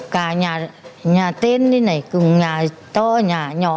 cả nhà tên này nhà to nhà nhỏ